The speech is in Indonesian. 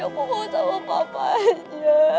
aku mau sama papa aja